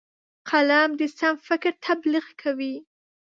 قلم د سم فکر تبلیغ کوي